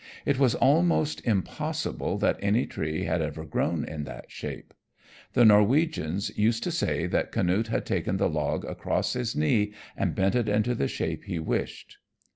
It was almost impossible that any tree had ever grown in that shape. The Norwegians used to say that Canute had taken the log across his knee and bent it into the shape he wished.